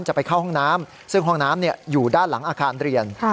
ไปเข้าห้องน้ำซึ่งห้องน้ำอยู่ด้านหลังอาคารเรียน